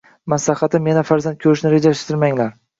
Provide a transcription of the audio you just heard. Maslahatim, yana farzand ko`rishni rejalashtirmanglar